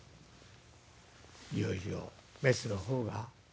いよいよメスの方が。